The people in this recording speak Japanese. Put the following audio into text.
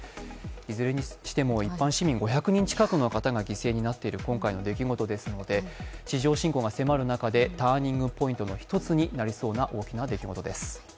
いずれにしても一般市民５００人近くの方が犠牲になっている今回の出来事ですので地上侵攻が迫る中でターニングポイントの一つになりそうな大きな出来事です。